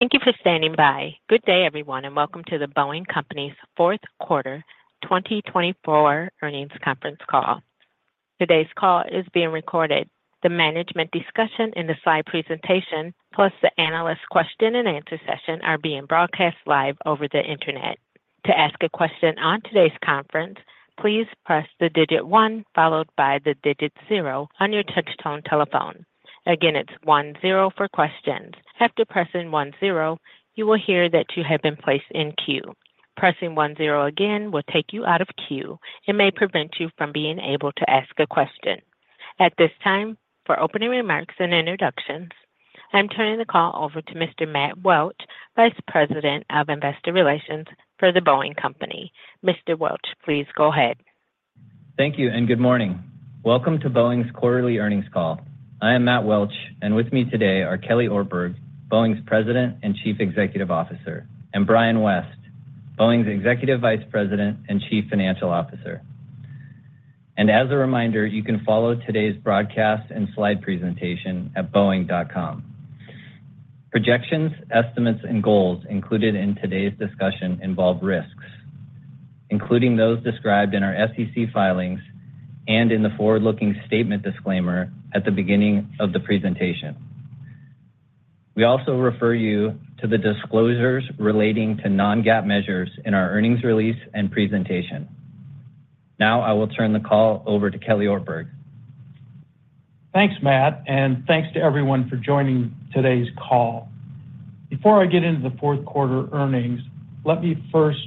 Thank you for standing by. Good day, everyone, and welcome to The Boeing Company's Fourth Quarter 2024 earnings conference call. Today's call is being recorded. The management discussion and the slide presentation, plus the analyst question-and-answer session, are being broadcast live over the internet. To ask a question on today's conference, please press the digit one followed by the digit zero on your touch-tone telephone. Again, it's one-zero for questions. After pressing one-zero, you will hear that you have been placed in queue. Pressing one-zero again will take you out of queue and may prevent you from being able to ask a question. At this time, for opening remarks and introductions, I'm turning the call over to Mr. Matt Welch, Vice President of Investor Relations for The Boeing Company. Mr. Welch, please go ahead. Thank you and good morning. Welcome to Boeing's quarterly earnings call. I am Matt Welch, and with me today are Kelly Ortberg, Boeing's President and Chief Executive Officer, and Brian West, Boeing's Executive Vice President and Chief Financial Officer. And as a reminder, you can follow today's broadcast and slide presentation at Boeing.com. Projections, estimates, and goals included in today's discussion involve risks, including those described in our SEC filings and in the forward-looking statement disclaimer at the beginning of the presentation. We also refer you to the disclosures relating to non-GAAP measures in our earnings release and presentation. Now, I will turn the call over to Kelly Ortberg. Thanks, Matt, and thanks to everyone for joining today's call. Before I get into the fourth quarter earnings, let me first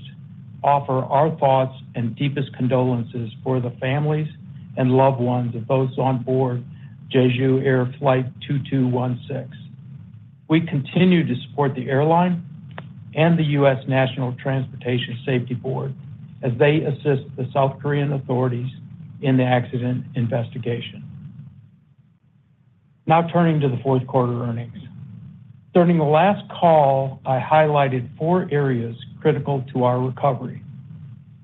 offer our thoughts and deepest condolences for the families and loved ones of those on board Jeju Air Flight 2216. We continue to support the airline and the U.S. National Transportation Safety Board as they assist the South Korean authorities in the accident investigation. Now, turning to the fourth quarter earnings. During the last call, I highlighted four areas critical to our recovery.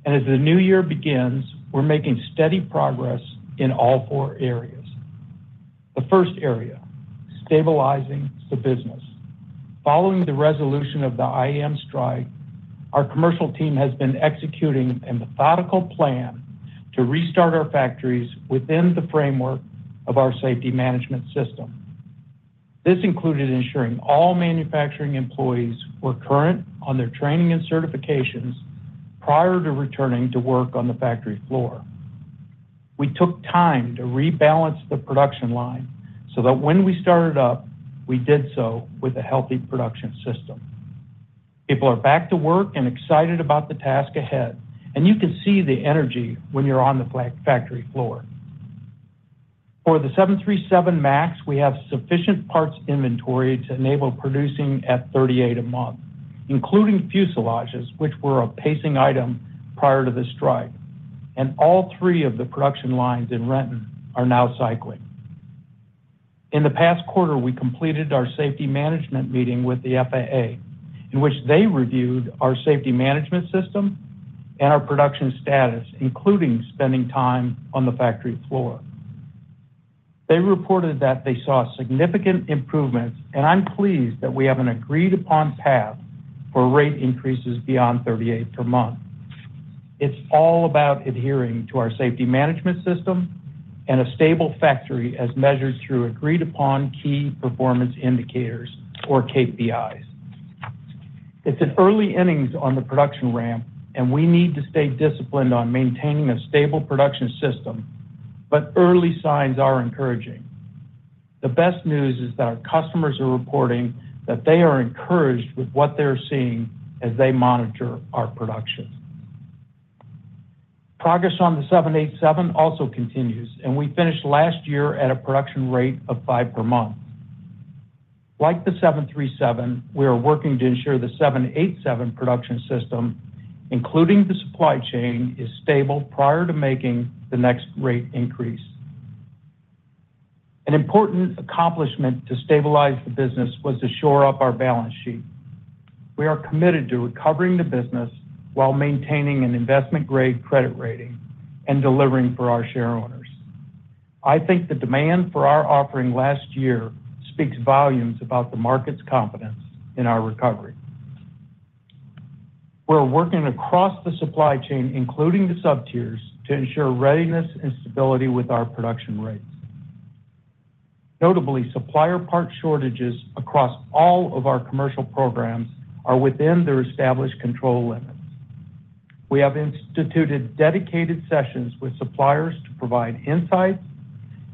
And as the new year begins, we're making steady progress in all four areas. The first area: stabilizing the business. Following the resolution of the IAM strike, our commercial team has been executing a methodical plan to restart our factories within the framework of our safety management system. This included ensuring all manufacturing employees were current on their training and certifications prior to returning to work on the factory floor. We took time to rebalance the production line so that when we started up, we did so with a healthy production system. People are back to work and excited about the task ahead, and you can see the energy when you're on the factory floor. For the 737 MAX, we have sufficient parts inventory to enable producing at 38 a month, including fuselages, which were a pacing item prior to the strike, and all three of the production lines in Renton are now cycling. In the past quarter, we completed our safety management meeting with the FAA, in which they reviewed our safety management system and our production status, including spending time on the factory floor. They reported that they saw significant improvements, and I'm pleased that we have an agreed-upon path for rate increases beyond 38 per month. It's all about adhering to our safety management system and a stable factory as measured through agreed-upon key performance indicators, or KPIs. It's an early innings on the production ramp, and we need to stay disciplined on maintaining a stable production system, but early signs are encouraging. The best news is that our customers are reporting that they are encouraged with what they're seeing as they monitor our production. Progress on the 787 also continues, and we finished last year at a production rate of five per month. Like the 737, we are working to ensure the 787 production system, including the supply chain, is stable prior to making the next rate increase. An important accomplishment to stabilize the business was to shore up our balance sheet. We are committed to recovering the business while maintaining an investment-grade credit rating and delivering for our shareholders. I think the demand for our offering last year speaks volumes about the market's confidence in our recovery. We're working across the supply chain, including the sub-tiers, to ensure readiness and stability with our production rates. Notably, supplier part shortages across all of our commercial programs are within their established control limits. We have instituted dedicated sessions with suppliers to provide insights,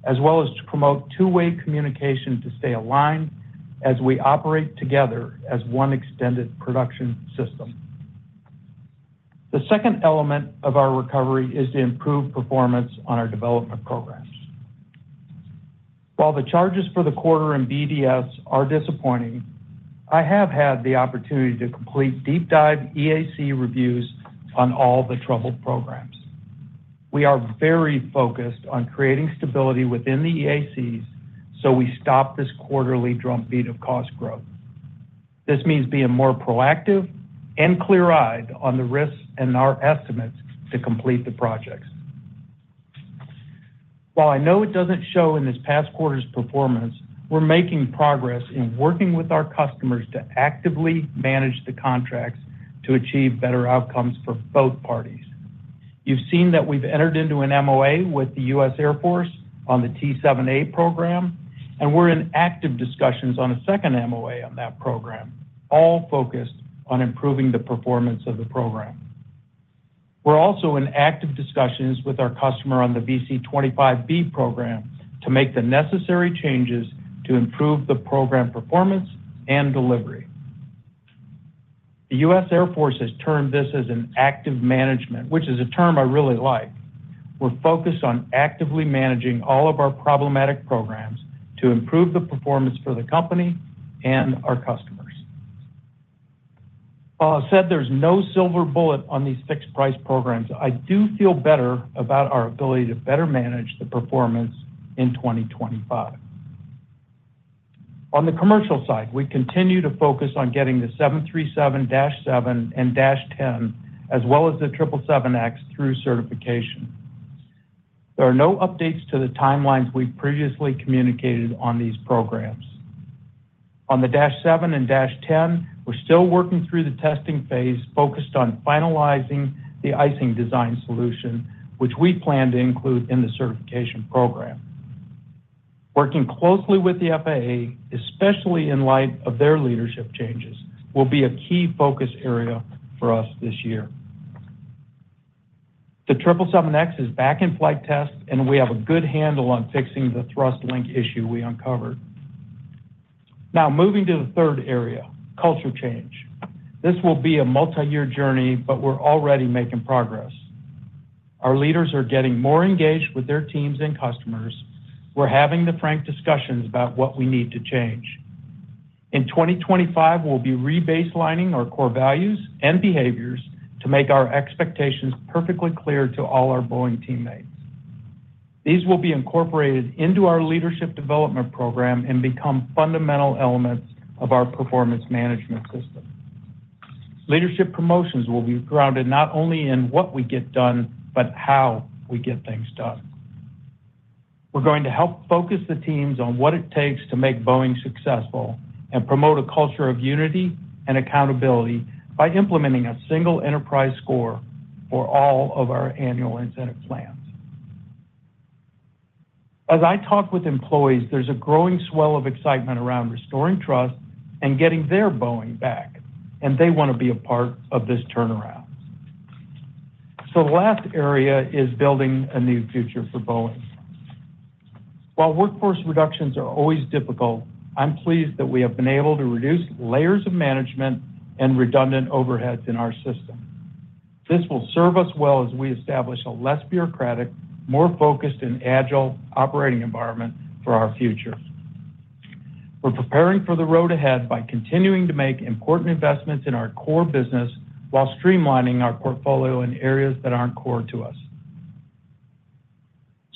as well as to promote two-way communication to stay aligned as we operate together as one extended production system. The second element of our recovery is to improve performance on our development programs. While the charges for the quarter in BDS are disappointing, I have had the opportunity to complete deep-dive EAC reviews on all the troubled programs. We are very focused on creating stability within the EACs so we stop this quarterly drumbeat of cost growth. This means being more proactive and clear-eyed on the risks and our estimates to complete the projects. While I know it doesn't show in this past quarter's performance, we're making progress in working with our customers to actively manage the contracts to achieve better outcomes for both parties. You've seen that we've entered into an MOA with the U.S. Air Force on the T-7A program, and we're in active discussions on a second MOA on that program, all focused on improving the performance of the program. We're also in active discussions with our customer on the VC-25B program to make the necessary changes to improve the program performance and delivery. The U.S. Air Force has termed this as an active management, which is a term I really like. We're focused on actively managing all of our problematic programs to improve the performance for the company and our customers. While I said there's no silver bullet on these fixed-price programs, I do feel better about our ability to better manage the performance in 2025. On the commercial side, we continue to focus on getting the 737-7 and 737-10, as well as the 777X, through certification. There are no updates to the timelines we previously communicated on these programs. On the -7 and -10, we're still working through the testing phase focused on finalizing the icing design solution, which we plan to include in the certification program. Working closely with the FAA, especially in light of their leadership changes, will be a key focus area for us this year. The 777X is back in flight test, and we have a good handle on fixing the thrust link issue we uncovered. Now, moving to the third area: culture change. This will be a multi-year journey, but we're already making progress. Our leaders are getting more engaged with their teams and customers. We're having the frank discussions about what we need to change. In 2025, we'll be rebaselining our core values and behaviors to make our expectations perfectly clear to all our Boeing teammates. These will be incorporated into our leadership development program and become fundamental elements of our performance management system. Leadership promotions will be grounded not only in what we get done, but how we get things done. We're going to help focus the teams on what it takes to make Boeing successful and promote a culture of unity and accountability by implementing a single enterprise score for all of our annual incentive plans. As I talk with employees, there's a growing swell of excitement around restoring trust and getting their Boeing back, and they want to be a part of this turnaround. So the last area is building a new future for Boeing. While workforce reductions are always difficult, I'm pleased that we have been able to reduce layers of management and redundant overheads in our system. This will serve us well as we establish a less bureaucratic, more focused, and agile operating environment for our future. We're preparing for the road ahead by continuing to make important investments in our core business while streamlining our portfolio in areas that aren't core to us.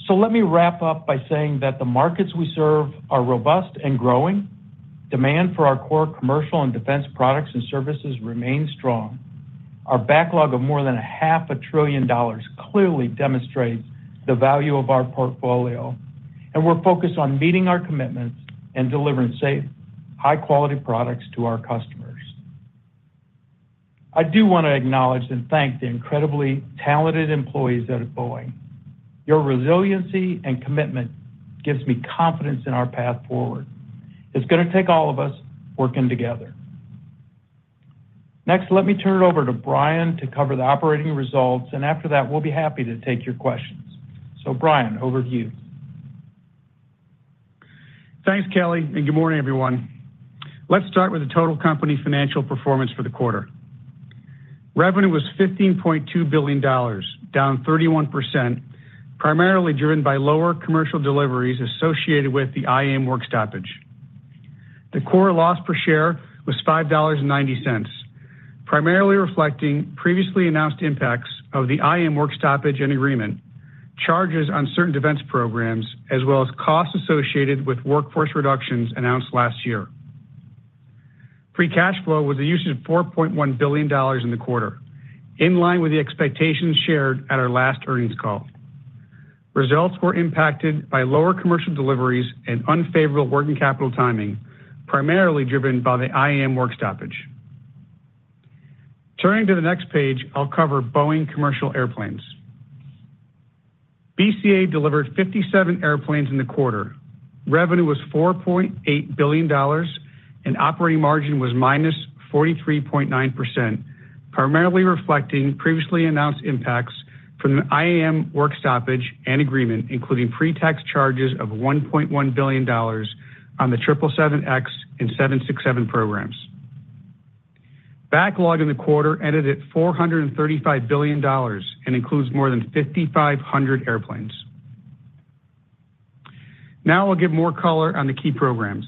So let me wrap up by saying that the markets we serve are robust and growing. Demand for our core commercial and defense products and services remains strong. Our backlog of more than $500 billion clearly demonstrates the value of our portfolio, and we're focused on meeting our commitments and delivering safe, high-quality products to our customers. I do want to acknowledge and thank the incredibly talented employees at Boeing. Your resiliency and commitment gives me confidence in our path forward. It's going to take all of us working together. Next, let me turn it over to Brian to cover the operating results, and after that, we'll be happy to take your questions. So Brian, over to you. Thanks, Kelly, and good morning, everyone. Let's start with the total company financial performance for the quarter. Revenue was $15.2 billion, down 31%, primarily driven by lower commercial deliveries associated with the IAM work stoppage. The core loss per share was $5.90, primarily reflecting previously announced impacts of the IAM work stoppage and agreement, charges on certain defense programs, as well as costs associated with workforce reductions announced last year. Free cash flow was a usage of $4.1 billion in the quarter, in line with the expectations shared at our last earnings call. Results were impacted by lower commercial deliveries and unfavorable working capital timing, primarily driven by the IAM work stoppage. Turning to the next page, I'll cover Boeing Commercial Airplanes. BCA delivered 57 airplanes in the quarter. Revenue was $4.8 billion, and operating margin was -43.9%, primarily reflecting previously announced impacts from the IAM work stoppage and agreement, including pre-tax charges of $1.1 billion on the 777X and 767 programs. Backlog in the quarter ended at $435 billion and includes more than 5,500 airplanes. Now I'll give more color on the key programs.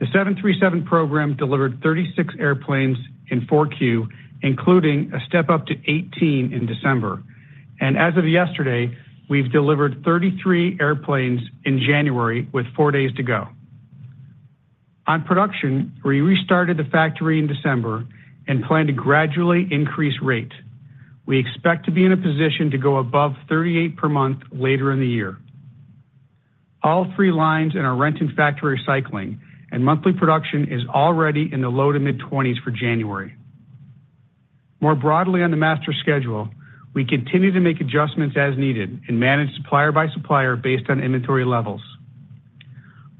The 737 program delivered 36 airplanes in 4Q, including a step up to 18 in December, and as of yesterday, we've delivered 33 airplanes in January with four days to go. On production, we restarted the factory in December and plan to gradually increase rate. We expect to be in a position to go above 38 per month later in the year. All three lines in our Renton factory are cycling, and monthly production is already in the low- to mid-20s for January. More broadly on the master schedule, we continue to make adjustments as needed and manage supplier by supplier based on inventory levels.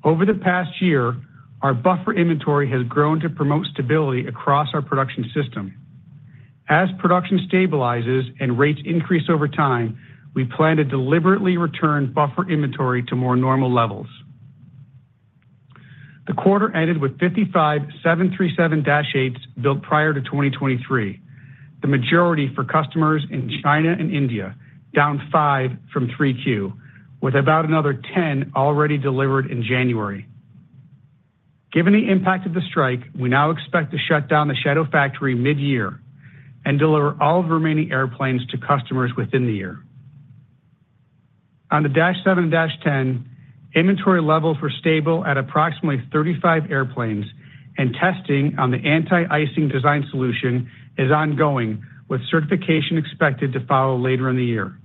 Over the past year, our buffer inventory has grown to promote stability across our production system. As production stabilizes and rates increase over time, we plan to deliberately return buffer inventory to more normal levels. The quarter ended with 55 737-8s built prior to 2023, the majority for customers in China and India, down five from 3Q, with about another 10 already delivered in January. Given the impact of the strike, we now expect to shut down the shadow factory mid-year and deliver all remaining airplanes to customers within the year. On the -7 and -10, inventory levels were stable at approximately 35 airplanes, and testing on the anti-icing design solution is ongoing, with certification expected to follow later in the year.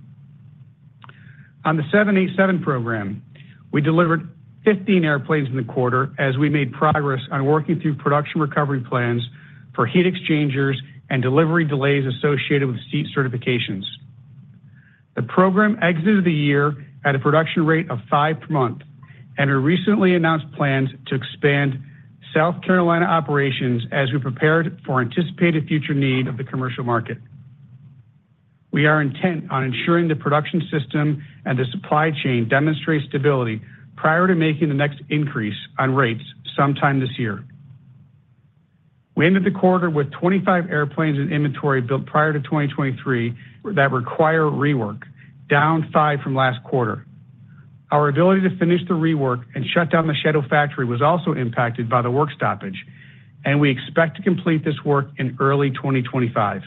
On the 787 program, we delivered 15 airplanes in the quarter as we made progress on working through production recovery plans for heat exchangers and delivery delays associated with seat certifications. The program exited the year at a production rate of five per month, and we recently announced plans to expand South Carolina operations as we prepared for anticipated future need of the commercial market. We are intent on ensuring the production system and the supply chain demonstrate stability prior to making the next increase on rates sometime this year. We ended the quarter with 25 airplanes in inventory built prior to 2023 that require rework, down five from last quarter. Our ability to finish the rework and shut down the shadow factory was also impacted by the work stoppage, and we expect to complete this work in early 2025.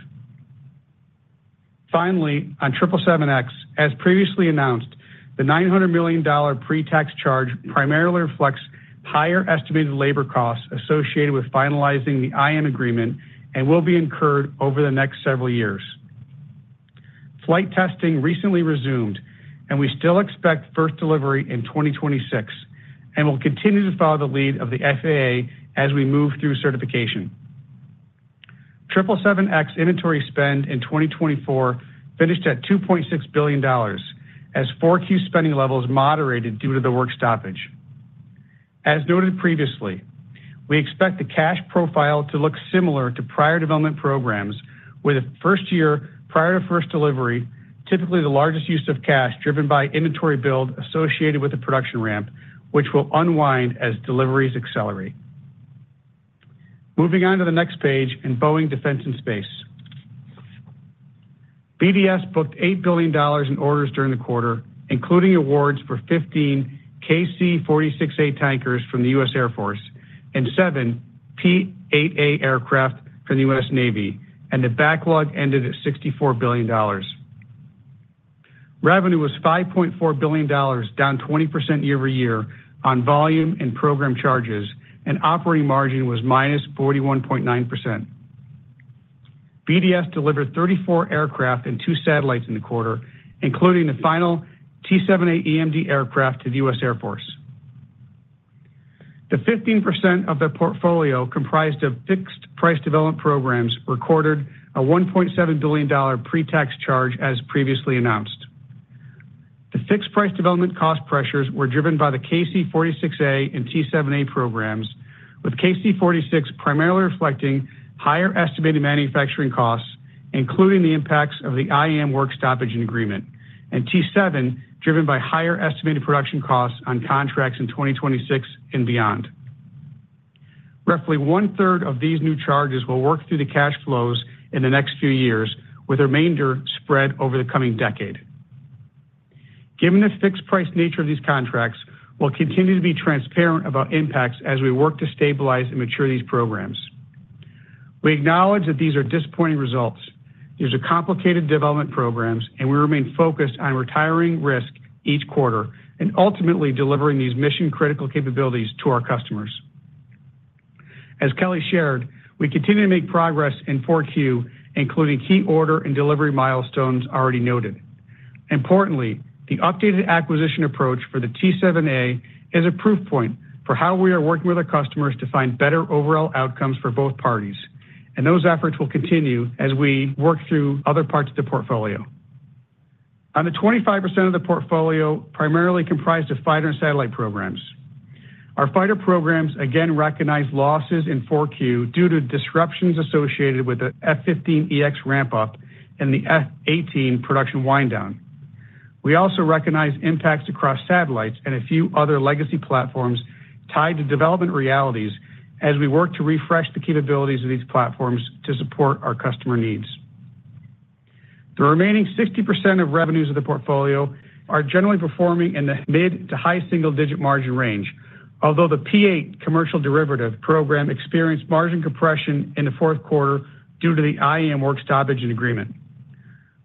Finally, on 777X, as previously announced, the $900 million pre-tax charge primarily reflects higher estimated labor costs associated with finalizing the IAM agreement and will be incurred over the next several years. Flight testing recently resumed, and we still expect first delivery in 2026, and we'll continue to follow the lead of the FAA as we move through certification. 777X inventory spend in 2024 finished at $2.6 billion as 4Q spending levels moderated due to the work stoppage. As noted previously, we expect the cash profile to look similar to prior development programs, with first year prior to first delivery, typically the largest use of cash driven by inventory build associated with the production ramp, which will unwind as deliveries accelerate. Moving on to the next page in Boeing Defense, Space & Security. BDS booked $8 billion in orders during the quarter, including awards for 15 KC-46A tankers from the U.S. Air Force and 7 P-8A aircraft from the U.S. Navy, and the backlog ended at $64 billion. Revenue was $5.4 billion, down 20% year-over-year on volume and program charges, and operating margin was -41.9%. BDS delivered 34 aircraft and two satellites in the quarter, including the final T-7A EMD aircraft to the U.S. Air Force. The 15% of the portfolio comprised of fixed-price development programs recorded a $1.7 billion pre-tax charge as previously announced. The fixed-price development cost pressures were driven by the KC-46A and T-7A programs, with KC-46A primarily reflecting higher estimated manufacturing costs, including the impacts of the IAM work stoppage and agreement, and T-7A driven by higher estimated production costs on contracts in 2026 and beyond. Roughly one-third of these new charges will work through the cash flows in the next few years, with remainder spread over the coming decade. Given the fixed-price nature of these contracts, we'll continue to be transparent about impacts as we work to stabilize and mature these programs. We acknowledge that these are disappointing results. These are complicated development programs, and we remain focused on retiring risk each quarter and ultimately delivering these mission-critical capabilities to our customers. As Kelly shared, we continue to make progress in 4Q, including key order and delivery milestones already noted. Importantly, the updated acquisition approach for the T-7A is a proof point for how we are working with our customers to find better overall outcomes for both parties, and those efforts will continue as we work through other parts of the portfolio. On the 25% of the portfolio, primarily comprised of fighter and satellite programs. Our fighter programs again recognize losses in 4Q due to disruptions associated with the F-15EX ramp-up and the F-18 production wind-down. We also recognize impacts across satellites and a few other legacy platforms tied to development realities as we work to refresh the capabilities of these platforms to support our customer needs. The remaining 60% of revenues of the portfolio are generally performing in the mid to high single-digit margin range, although the P-8 commercial derivative program experienced margin compression in the fourth quarter due to the IAM work stoppage and agreement.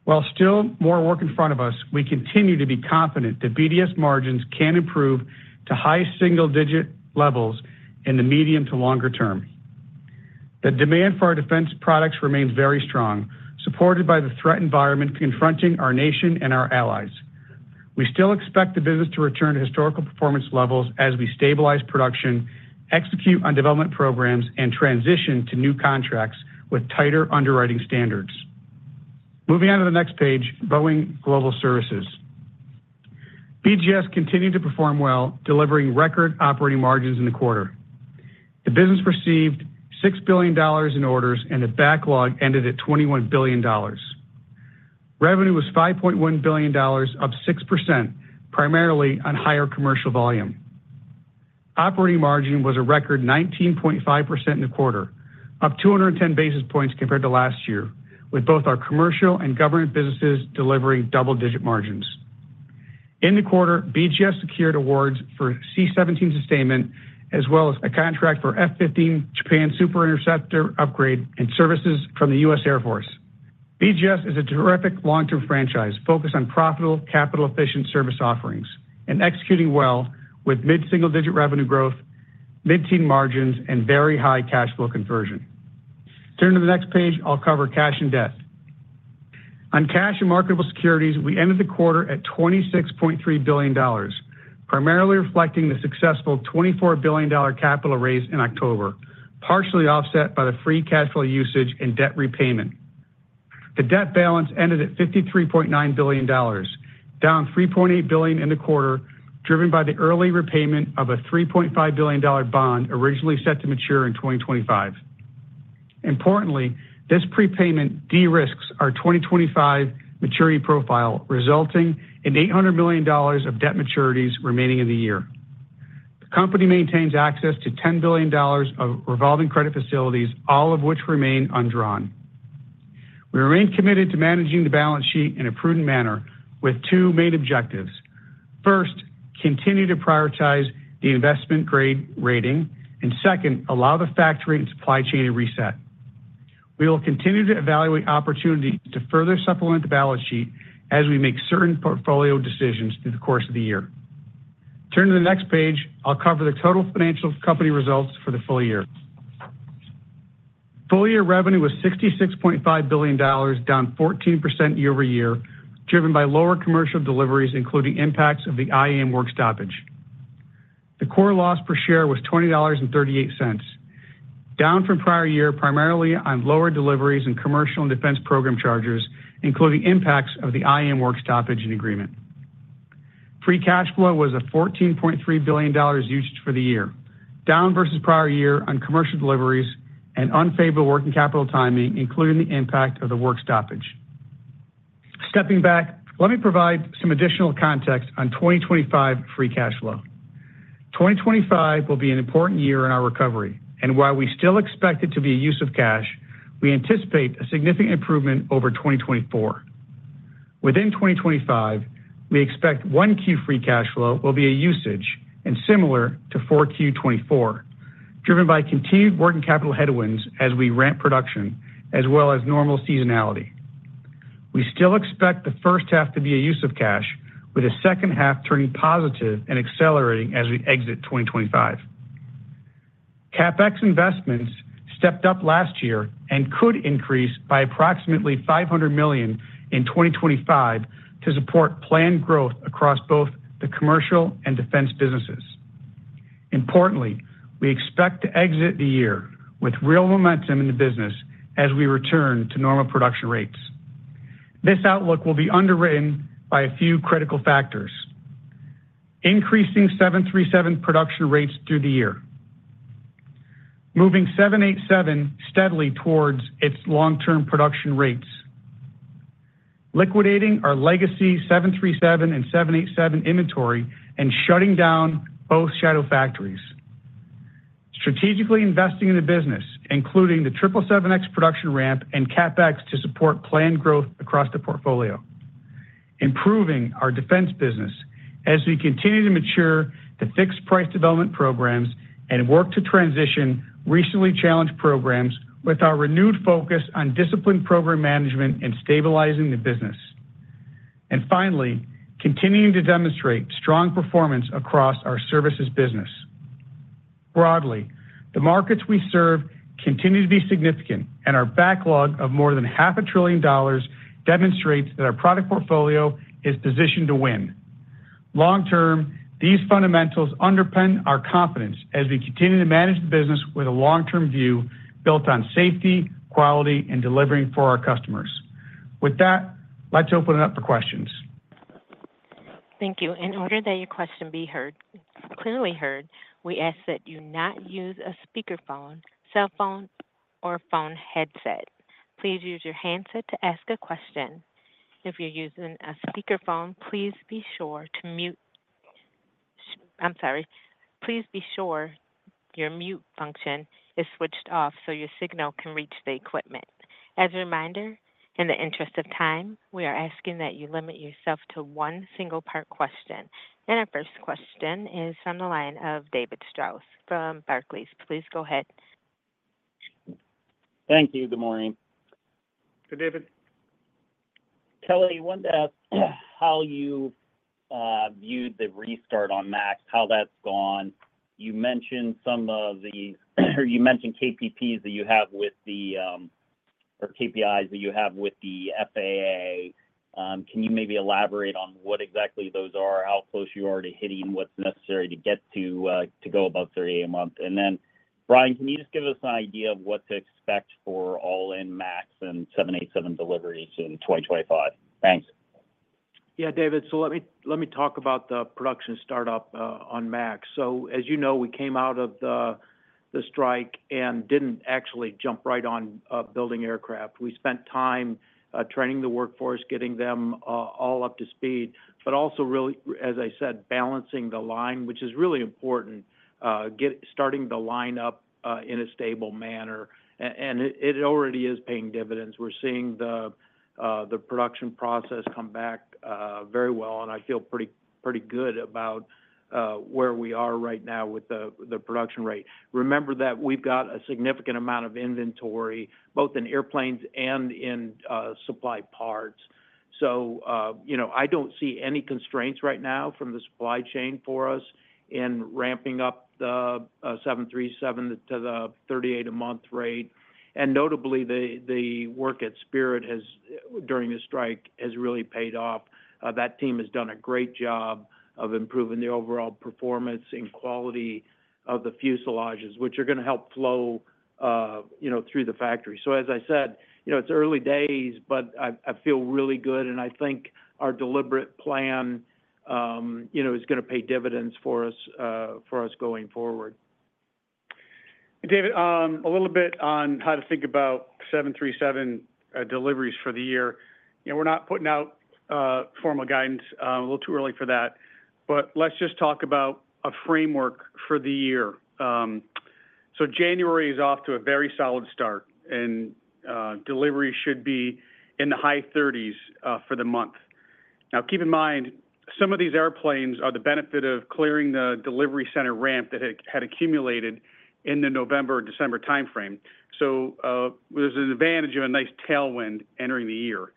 While still more work in front of us, we continue to be confident that BDS margins can improve to high single-digit levels in the medium to longer term. The demand for our defense products remains very strong, supported by the threat environment confronting our nation and our allies. We still expect the business to return to historical performance levels as we stabilize production, execute on development programs, and transition to new contracts with tighter underwriting standards. Moving on to the next page, Boeing Global Services. BGS continued to perform well, delivering record operating margins in the quarter. The business received $6 billion in orders, and the backlog ended at $21 billion. Revenue was $5.1 billion, up 6%, primarily on higher commercial volume. Operating margin was a record 19.5% in the quarter, up 210 basis points compared to last year, with both our commercial and government businesses delivering double-digit margins. In the quarter, BGS secured awards for C-17 sustainment, as well as a contract for F-15 Japan Super Interceptor upgrade and services from the U.S. Air Force. BGS is a terrific long-term franchise focused on profitable, capital-efficient service offerings and executing well with mid-single-digit revenue growth, mid-teen margins, and very high cash flow conversion. Turning to the next page, I'll cover cash and debt. On cash and marketable securities, we ended the quarter at $26.3 billion, primarily reflecting the successful $24 billion capital raise in October, partially offset by the free cash flow usage and debt repayment. The debt balance ended at $53.9 billion, down $3.8 billion in the quarter, driven by the early repayment of a $3.5 billion bond originally set to mature in 2025. Importantly, this prepayment de-risked our 2025 maturity profile, resulting in $800 million of debt maturities remaining in the year. The company maintains access to $10 billion of revolving credit facilities, all of which remain undrawn. We remain committed to managing the balance sheet in a prudent manner, with two main objectives. First, continue to prioritize the investment grade rating, and second, allow the factory and supply chain to reset. We will continue to evaluate opportunities to further supplement the balance sheet as we make certain portfolio decisions through the course of the year. Turning to the next page, I'll cover the total financial company results for the full year. Full year revenue was $66.5 billion, down 14% year over year, driven by lower commercial deliveries, including impacts of the IAM work stoppage. The core loss per share was $20.38, down from prior year, primarily on lower deliveries and commercial and defense program charges, including impacts of the IAM work stoppage and agreement. Free cash flow was a $14.3 billion used for the year, down versus prior year on commercial deliveries and unfavorable working capital timing, including the impact of the work stoppage. Stepping back, let me provide some additional context on 2025 free cash flow. 2025 will be an important year in our recovery, and while we still expect it to be a use of cash, we anticipate a significant improvement over 2024. Within 2025, we expect 1Q free cash flow will be a usage and similar to 4Q 2024, driven by continued working capital headwinds as we ramp production, as well as normal seasonality. We still expect the first half to be a use of cash, with the second half turning positive and accelerating as we exit 2025. CapEx investments stepped up last year and could increase by approximately $500 million in 2025 to support planned growth across both the commercial and defense businesses. Importantly, we expect to exit the year with real momentum in the business as we return to normal production rates. This outlook will be underwritten by a few critical factors: increasing 737 production rates through the year, moving 787 steadily towards its long-term production rates, liquidating our legacy 737 and 787 inventory, and shutting down both shadow factories, strategically investing in the business, including the 777X production ramp and CapEx to support planned growth across the portfolio, improving our defense business as we continue to mature the fixed-price development programs and work to transition recently challenged programs with our renewed focus on disciplined program management and stabilizing the business, and finally, continuing to demonstrate strong performance across our services business. Broadly, the markets we serve continue to be significant, and our backlog of more than $500 billion demonstrates that our product portfolio is positioned to win. Long-term, these fundamentals underpin our confidence as we continue to manage the business with a long-term view built on safety, quality, and delivering for our customers. With that, let's open it up for questions. Thank you. In order that your question be heard, clearly heard, we ask that you not use a speakerphone, cell phone, or phone headset. Please use your handset to ask a question. If you're using a speakerphone, please be sure to mute. I'm sorry. Please be sure your mute function is switched off so your signal can reach the equipment. As a reminder, in the interest of time, we are asking that you limit yourself to one single-part question. And our first question is from the line of David Strauss from Barclays. Please go ahead. Thank you. Good morning. Good, David. Kelly, I wanted to ask how you viewed the restart on MAX, how that's gone. You mentioned some of the KPIs that you have with the FAA. Can you maybe elaborate on what exactly those are, how close you're already hitting what's necessary to get to go above 30 a month? And then, Brian, can you just give us an idea of what to expect for all in MAX and 787 deliveries in 2025? Thanks. Yeah, David, so let me talk about the production startup on MAX. So, as you know, we came out of the strike and didn't actually jump right on building aircraft. We spent time training the workforce, getting them all up to speed, but also, as I said, balancing the line, which is really important, starting the line up in a stable manner, and it already is paying dividends. We're seeing the production process come back very well, and I feel pretty good about where we are right now with the production rate. Remember that we've got a significant amount of inventory, both in airplanes and in supply parts. So I don't see any constraints right now from the supply chain for us in ramping up the 737 to the 38-a-month rate. And notably, the work at Spirit during the strike has really paid off. That team has done a great job of improving the overall performance and quality of the fuselages, which are going to help flow through the factory. So, as I said, it's early days, but I feel really good, and I think our deliberate plan is going to pay dividends for us going forward. David, a little bit on how to think about 737 deliveries for the year. We're not putting out formal guidance a little too early for that, but let's just talk about a framework for the year, so January is off to a very solid start, and deliveries should be in the high 30s for the month. Now, keep in mind, some of these airplanes are the benefit of clearing the delivery center ramp that had accumulated in the November or December timeframe, so there's an advantage of a nice tailwind entering the year.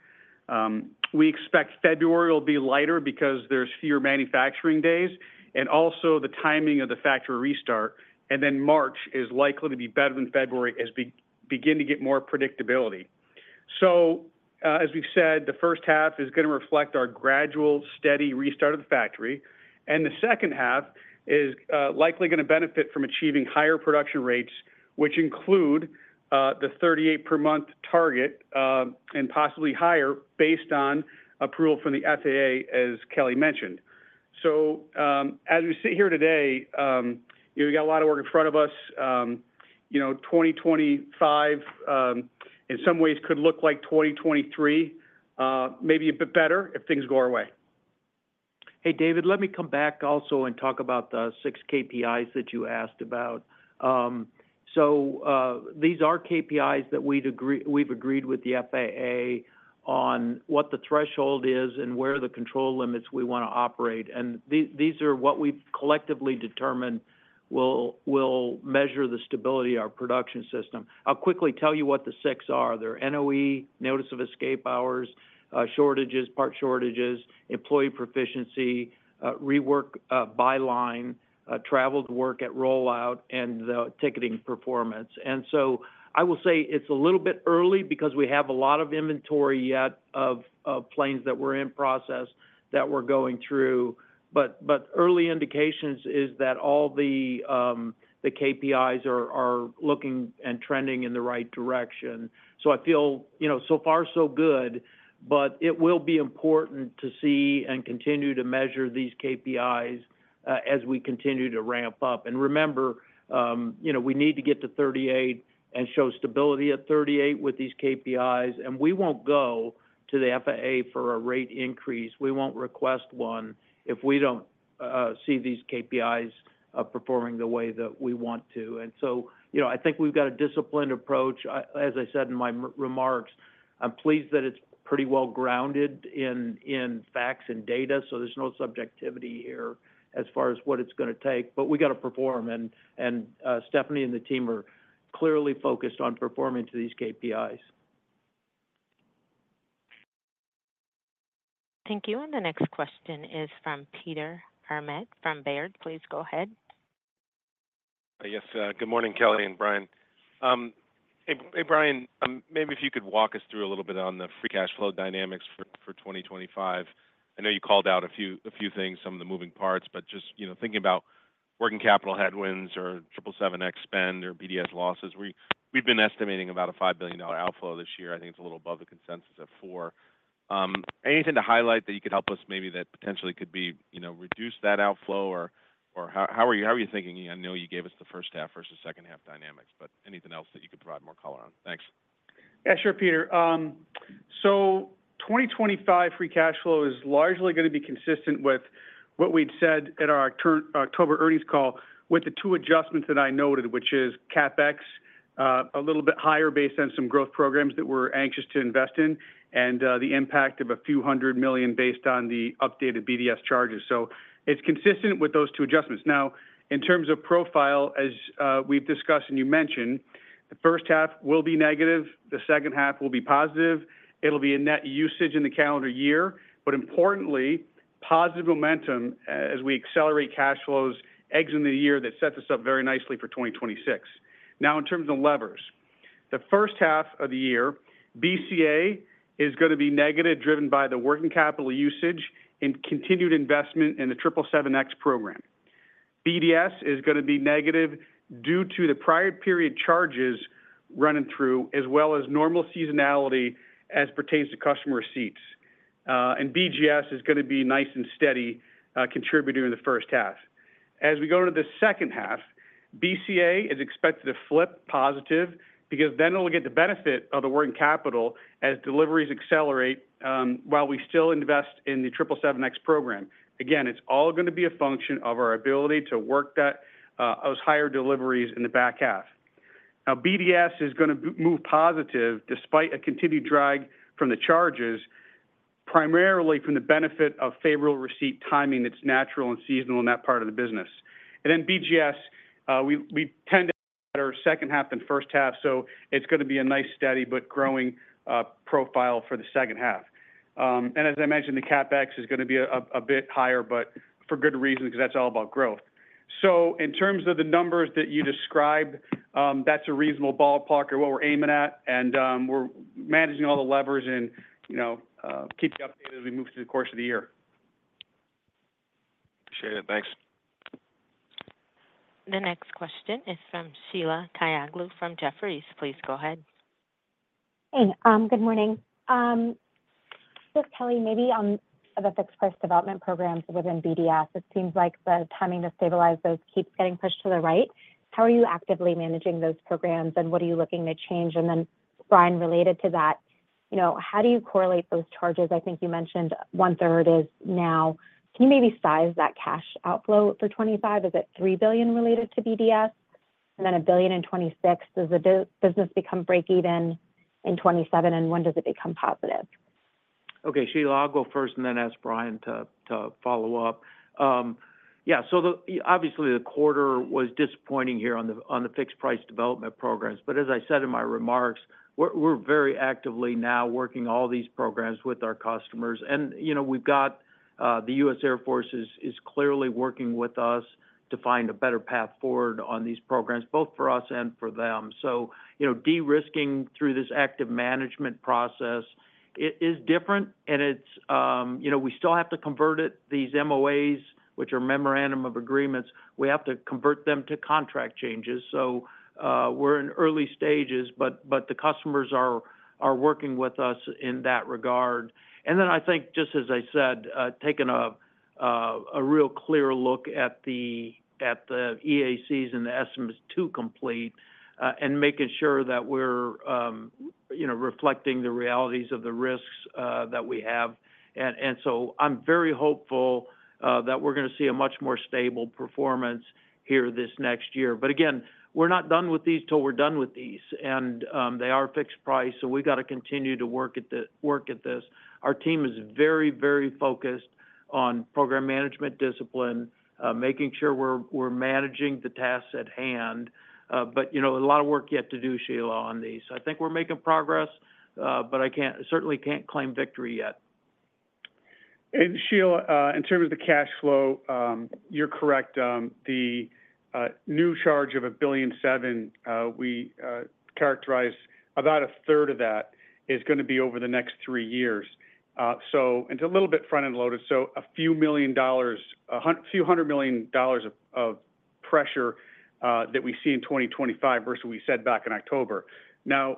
We expect February will be lighter because there's fewer manufacturing days and also the timing of the factory restart, and then March is likely to be better than February as we begin to get more predictability, so as we've said, the first half is going to reflect our gradual, steady restart of the factory. The second half is likely going to benefit from achieving higher production rates, which include the 38 per month target and possibly higher based on approval from the FAA, as Kelly mentioned. So, as we sit here today, we've got a lot of work in front of us. 2025, in some ways, could look like 2023, maybe a bit better if things go our way. Hey, David, let me come back also and talk about the six KPIs that you asked about. So, these are KPIs that we've agreed with the FAA on what the threshold is and where the control limits we want to operate, and these are what we've collectively determined will measure the stability of our production system. I'll quickly tell you what the six are. They're NOE, notice of escape hours, shortages, part shortages, employee proficiency, rework by line, traveled work at rollout, and the ticketing performance, and so I will say it's a little bit early because we have a lot of inventory yet of planes that we're in process that we're going through, but early indications is that all the KPIs are looking and trending in the right direction, so I feel so far, so good, but it will be important to see and continue to measure these KPIs as we continue to ramp up, and remember we need to get to 38 and show stability at 38 with these KPIs, and we won't go to the FAA for a rate increase, we won't request one if we don't see these KPIs performing the way that we want to, and so I think we've got a disciplined approach. As I said in my remarks, I'm pleased that it's pretty well grounded in facts and data, so there's no subjectivity here as far as what it's going to take. But we got to perform, and Stephanie and the team are clearly focused on performing to these KPIs. Thank you. And the next question is from Peter Arment from Baird. Please go ahead. Yes. Good morning, Kelly and Brian. Hey, Brian, maybe if you could walk us through a little bit on the free cash flow dynamics for 2025. I know you called out a few things, some of the moving parts, but just thinking about working capital headwinds or 777X spend or BDS losses, we've been estimating about a $5 billion outflow this year. I think it's a little above the consensus at four. Anything to highlight that you could help us maybe that potentially could be reduced that outflow? Or how are you thinking? I know you gave us the first half versus second half dynamics, but anything else that you could provide more color on? Thanks. Yeah, sure, Peter. So, 2025 free cash flow is largely going to be consistent with what we'd said at our October earnings call with the two adjustments that I noted, which is CapEx a little bit higher based on some growth programs that we're anxious to invest in, and the impact of a few hundred million based on the updated BDS charges. So, it's consistent with those two adjustments. Now, in terms of profile, as we've discussed and you mentioned, the first half will be negative. The second half will be positive. It'll be a net usage in the calendar year. But importantly, positive momentum as we accelerate cash flows exiting the year that sets us up very nicely for 2026. Now, in terms of levers, the first half of the year, BCA is going to be negative driven by the working capital usage and continued investment in the 777X program. BDS is going to be negative due to the prior period charges running through, as well as normal seasonality as pertains to customer receipts. And BGS is going to be nice and steady contributing in the first half. As we go into the second half, BCA is expected to flip positive because then it'll get the benefit of the working capital as deliveries accelerate while we still invest in the 777X program. Again, it's all going to be a function of our ability to work those higher deliveries in the back half. Now, BDS is going to move positive despite a continued drag from the charges, primarily from the benefit of favorable receipt timing that's natural and seasonal in that part of the business, and then BGS, we tend to have better second half than first half, so it's going to be a nice steady but growing profile for the second half. And as I mentioned, the CapEx is going to be a bit higher, but for good reason because that's all about growth, so in terms of the numbers that you described, that's a reasonable ballpark of what we're aiming at. And we're managing all the levers and keeping you updated as we move through the course of the year. Appreciate it. Thanks. The next question is from Sheila Kahyaoglu from Jefferies. Please go ahead. Hey, good morning. Kelly, maybe on the fixed-price development programs within BDS, it seems like the timing to stabilize those keeps getting pushed to the right. How are you actively managing those programs, and what are you looking to change? And then, Brian, related to that, how do you correlate those charges? I think you mentioned one-third is now. Can you maybe size that cash outflow for 2025? Is it $3 billion related to BDS? And then $1 billion in 2026? Does the business become break-even in 2027, and when does it become positive? Okay, Sheila, I'll go first and then ask Brian to follow up. Yeah, so obviously, the quarter was disappointing here on the fixed-price development programs. But as I said in my remarks, we're very actively now working all these programs with our customers. And we've got the U.S. Air Force is clearly working with us to find a better path forward on these programs, both for us and for them. So, de-risking through this active management process is different, and we still have to convert these MOAs, which are memorandums of agreement. We have to convert them to contract changes. So, we're in early stages, but the customers are working with us in that regard. And then I think, just as I said, taking a real clear look at the EACs and the estimates to complete and making sure that we're reflecting the realities of the risks that we have. And so, I'm very hopeful that we're going to see a much more stable performance here this next year. But again, we're not done with these till we're done with these. And they are fixed price, so we've got to continue to work at this. Our team is very, very focused on program management discipline, making sure we're managing the tasks at hand. But a lot of work yet to do, Sheila, on these. I think we're making progress, but I certainly can't claim victory yet. And, Sheila, in terms of the cash flow, you're correct. The new charge of $1.7 billion, we characterize about a third of that is going to be over the next three years. So, it's a little bit front-end loaded. So, a few million dollars, a few hundred million dollars of pressure that we see in 2025 versus what we said back in October. Now,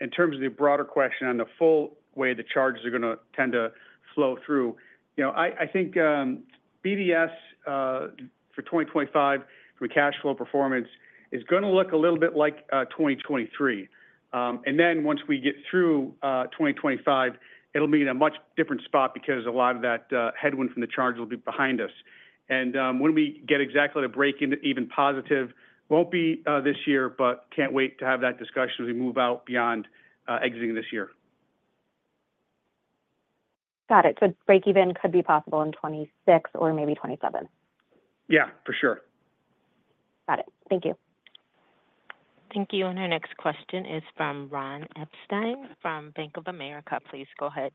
in terms of the broader question on the full way the charges are going to tend to flow through, I think BDS for 2025 from a cash flow performance is going to look a little bit like 2023. And then once we get through 2025, it'll be in a much different spot because a lot of that headwind from the charges will be behind us. And when we get exactly the break-even positive, won't be this year, but can't wait to have that discussion as we move out beyond exiting this year. Got it. So, break-even could be possible in 2026 or maybe 2027. Yeah, for sure. Got it. Thank you. Thank you. And our next question is from Ron Epstein from Bank of America. Please go ahead.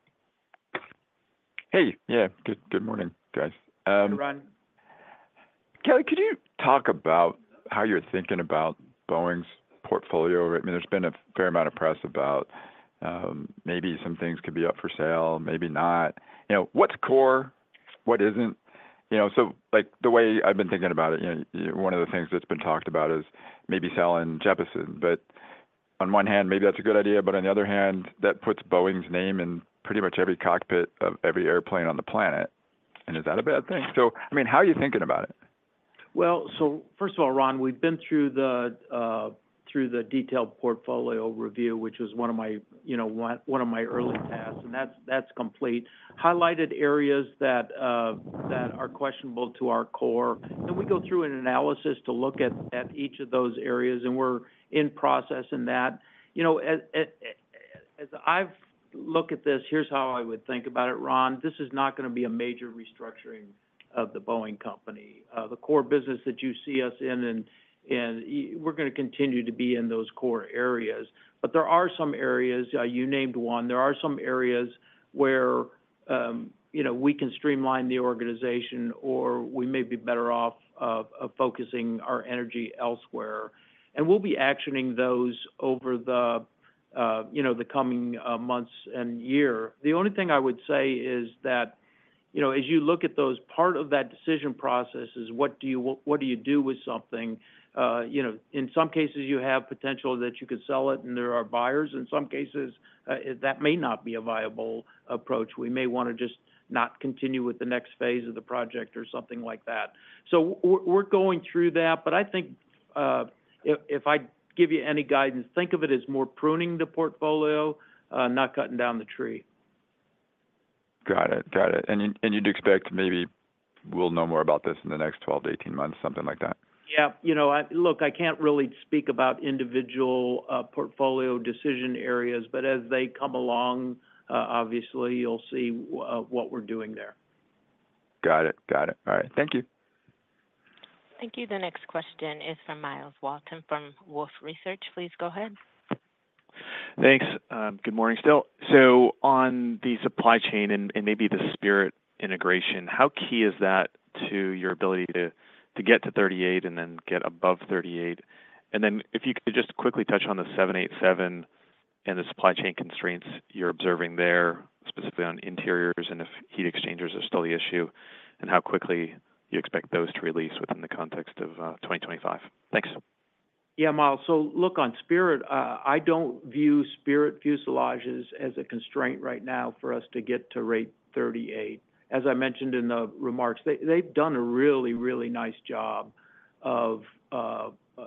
Hey. Yeah, good morning, guys. Hi, Ron. Kelly, could you talk about how you're thinking about Boeing's portfolio? I mean, there's been a fair amount of press about maybe some things could be up for sale, maybe not. What's core, what isn't? So, the way I've been thinking about it, one of the things that's been talked about is maybe selling Jeppesen. But on one hand, maybe that's a good idea, but on the other hand, that puts Boeing's name in pretty much every cockpit of every airplane on the planet. And is that a bad thing? So, I mean, how are you thinking about it? Well, so first of all, Ron, we've been through the detailed portfolio review, which was one of my early tasks. And that's complete. Highlighted areas that are questionable to our core. And we go through an analysis to look at each of those areas, and we're in process in that. As I look at this, here's how I would think about it, Ron. This is not going to be a major restructuring of the Boeing Company. The core business that you see us in, and we're going to continue to be in those core areas. But there are some areas, you named one, there are some areas where we can streamline the organization or we may be better off focusing our energy elsewhere. And we'll be actioning those over the coming months and year. The only thing I would say is that as you look at those, part of that decision process is what do you do with something? In some cases, you have potential that you could sell it, and there are buyers. In some cases, that may not be a viable approach. We may want to just not continue with the next phase of the project or something like that. So, we're going through that. But I think if I give you any guidance, think of it as more pruning the portfolio, not cutting down the tree. Got it. Got it. And you'd expect maybe we'll know more about this in the next 12-18 months, something like that? Yeah. Look, I can't really speak about individual portfolio decision areas, but as they come along, obviously, you'll see what we're doing there. Got it. Got it. All right. Thank you. Thank you. The next question is from Myles Walton from Wolfe Research. Please go ahead. Thanks. Good morning still. So, on the supply chain and maybe the Spirit integration, how key is that to your ability to get to 38 and then get above 38? And then if you could just quickly touch on the 787 and the supply chain constraints you're observing there, specifically on interiors and if heat exchangers are still the issue, and how quickly you expect those to release within the context of 2025? Thanks. Yeah, Miles. So, look, on Spirit, I don't view Spirit fuselages as a constraint right now for us to get to rate 38. As I mentioned in the remarks, they've done a really, really nice job of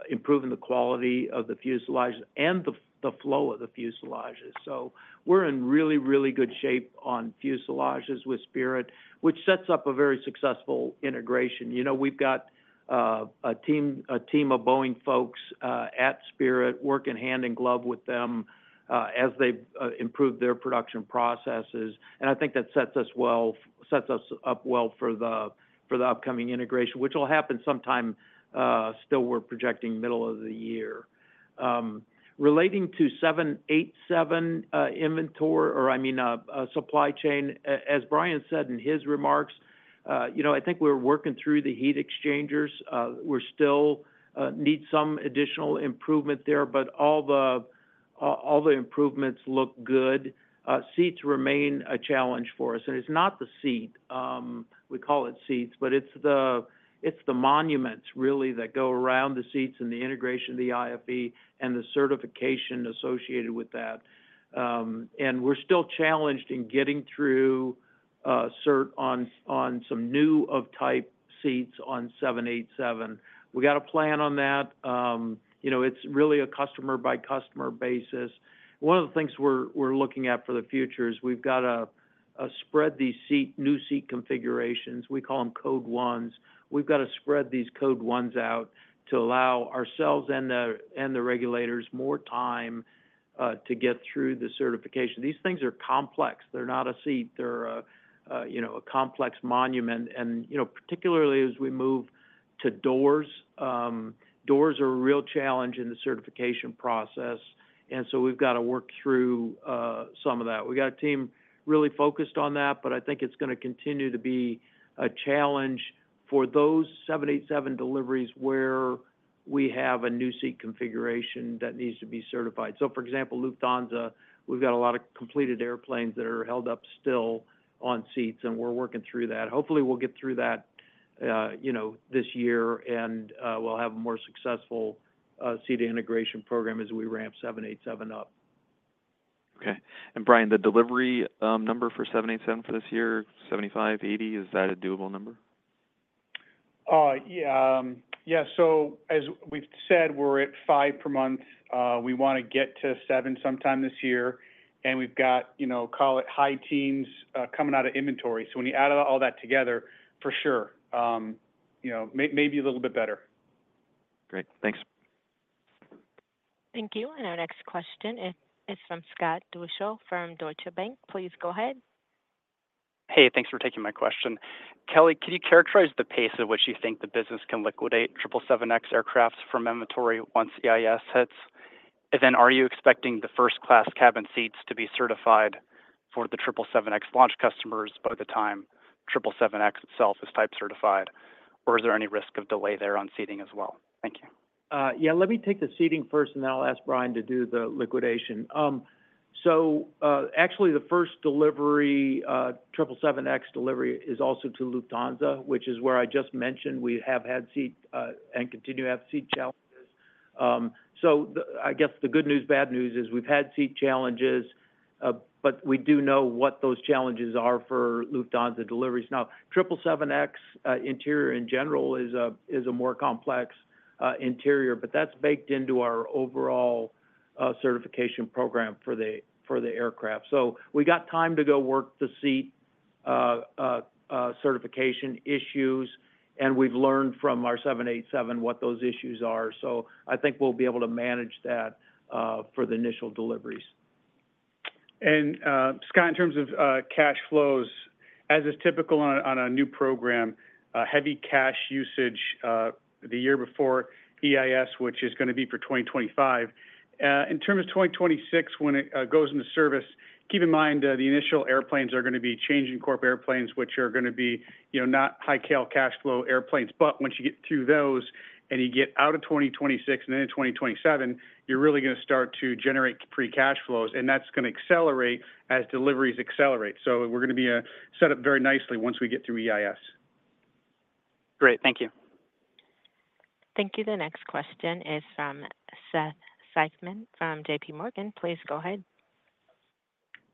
improving the quality of the fuselages and the flow of the fuselages. So, we're in really, really good shape on fuselages with Spirit, which sets up a very successful integration. We've got a team of Boeing folks at Spirit working hand in glove with them as they improve their production processes. I think that sets us up well for the upcoming integration, which will happen sometime, still we're projecting middle of the year. Relating to 787 inventory or, I mean, supply chain, as Brian said in his remarks, I think we're working through the heat exchangers. We still need some additional improvement there, but all the improvements look good. Seats remain a challenge for us. It's not the seat. We call it seats, but it's the monuments really that go around the seats and the integration, the IFE, and the certification associated with that. We're still challenged in getting through cert on some new-of-type seats on 787. We got a plan on that. It's really a customer-by-customer basis. One of the things we're looking at for the future is we've got to spread these new seat configurations. We call them Code Ones. We've got to spread these Code Ones out to allow ourselves and the regulators more time to get through the certification. These things are complex. They're not a seat. They're a complex monument. And particularly as we move to doors, doors are a real challenge in the certification process. And so, we've got to work through some of that. We got a team really focused on that, but I think it's going to continue to be a challenge for those 787 deliveries where we have a new seat configuration that needs to be certified. So, for example, Lufthansa, we've got a lot of completed airplanes that are held up still on seats, and we're working through that. Hopefully, we'll get through that this year and we'll have a more successful seat integration program as we ramp 787 up. Okay. And Brian, the delivery number for 787 for this year, 75-80, is that a doable number? Yeah. Yeah. So, as we've said, we're at five per month. We want to get to seven sometime this year. And we've got, call it high teens coming out of inventory. So, when you add all that together, for sure, maybe a little bit better. Great. Thanks. Thank you. And our next question is from Scott Deuschle from Deutsche Bank. Please go ahead. Hey, thanks for taking my question. Kelly, could you characterize the pace at which you think the business can liquidate 777X aircraft from inventory once EIS hits? And then are you expecting the first-class cabin seats to be certified for the 777X launch customers by the time 777X itself is type certified? Or is there any risk of delay there on seating as well? Thank you. Yeah, let me take the seating first, and then I'll ask Brian to do the liquidation. So, actually, the first delivery, 777X delivery is also to Lufthansa, which is where I just mentioned we have had seat and continue to have seat challenges. So, I guess the good news, bad news is we've had seat challenges, but we do know what those challenges are for Lufthansa deliveries. Now, 777X interior in general is a more complex interior, but that's baked into our overall certification program for the aircraft. So, we got time to go work the seat certification issues, and we've learned from our 787 what those issues are. So, I think we'll be able to manage that for the initial deliveries. And Scott, in terms of cash flows, as is typical on a new program, heavy cash usage the year before EIS, which is going to be for 2025. In terms of 2026, when it goes into service, keep in mind the initial airplanes are going to be change incorp airplanes, which are going to be not high-dollar cash flow airplanes. But once you get through those and you get out of 2026 and into 2027, you're really going to start to generate free cash flows, and that's going to accelerate as deliveries accelerate, so we're going to be set up very nicely once we get through EIS. Great. Thank you. Thank you. The next question is from Seth Seifman from JP Morgan. Please go ahead.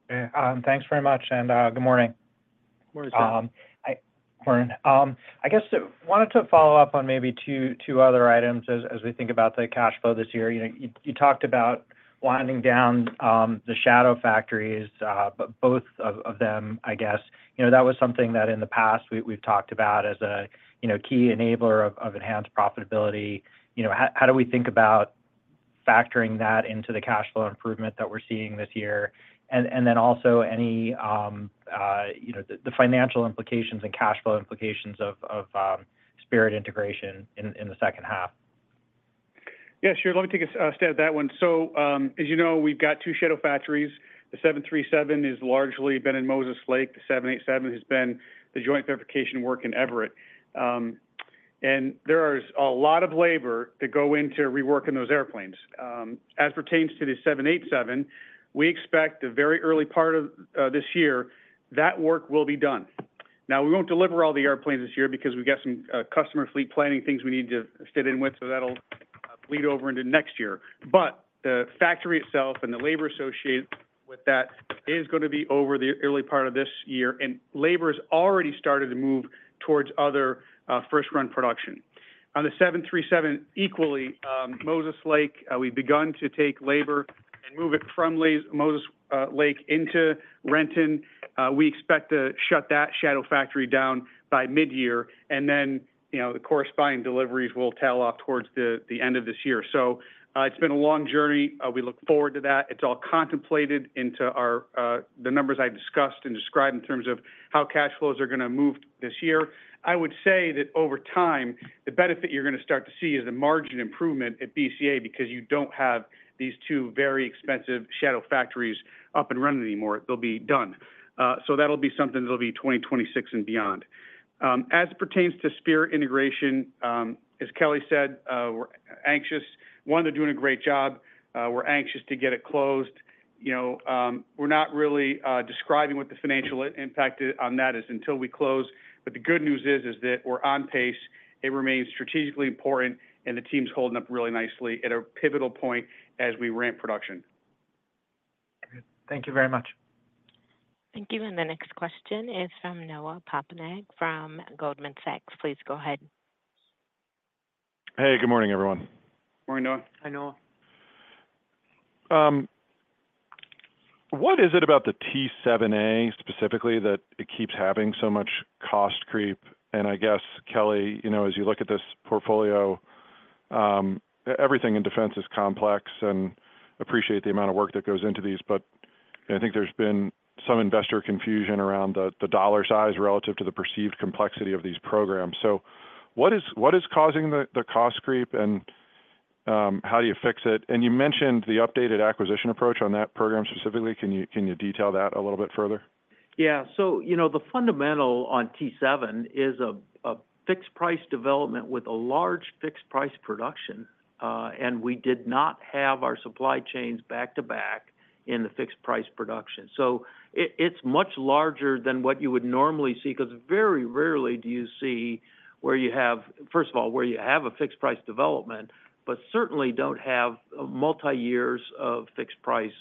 Thanks very much, and good morning. Good morning, Scott. Morning. I guess I wanted to follow up on maybe two other items as we think about the cash flow this year. You talked about winding down the shadow factories, both of them, I guess. That was something that in the past we've talked about as a key enabler of enhanced profitability. How do we think about factoring that into the cash flow improvement that we're seeing this year? And then also any of the financial implications and cash flow implications of Spirit integration in the second half. Yeah, sure. Let me take a stab at that one. So, as you know, we've got two shadow factories. The 737 has largely been in Moses Lake. The 787 has been the joint verification work in Everett. And there is a lot of labor to go into reworking those airplanes. As pertains to the 787, we expect the very early part of this year that work will be done. Now, we won't deliver all the airplanes this year because we've got some customer fleet planning things we need to fit in with, so that'll bleed over into next year. But the factory itself and the labor associated with that is going to be over the early part of this year. And labor has already started to move towards other first-run production. On the 737, equally, Moses Lake, we've begun to take labor and move it from Moses Lake into Renton. We expect to shut that shadow factory down by mid-year. And then the corresponding deliveries will tail off towards the end of this year. So, it's been a long journey. We look forward to that. It's all contemplated into the numbers I discussed and described in terms of how cash flows are going to move this year. I would say that over time, the benefit you're going to start to see is a margin improvement at BCA because you don't have these two very expensive shadow factories up and running anymore. They'll be done. So, that'll be something that'll be 2026 and beyond. As pertains to Spirit integration, as Kelly said, we're anxious. One, they're doing a great job. We're anxious to get it closed. We're not really describing what the financial impact on that is until we close. But the good news is that we're on pace. It remains strategically important, and the team's holding up really nicely at a pivotal point as we ramp production. Thank you very much. Thank you. And the next question is from Noah Poponak from Goldman Sachs. Please go ahead. Hey, good morning, everyone. Morning, Noah. Hi, Noah. What is it about the T-7A specifically that it keeps having so much cost creep? And I guess, Kelly, as you look at this portfolio, everything in defense is complex and appreciate the amount of work that goes into these, but I think there's been some investor confusion around the dollar size relative to the perceived complexity of these programs. So, what is causing the cost creep, and how do you fix it? And you mentioned the updated acquisition approach on that program specifically. Can you detail that a little bit further? Yeah. So, the fundamental on T-7 is a fixed price development with a large fixed price production. And we did not have our supply chains back to back in the fixed price production. So, it's much larger than what you would normally see because very rarely do you see where you have, first of all, where you have a fixed price development, but certainly don't have multi-years of fixed price